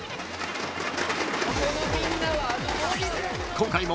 ［今回も］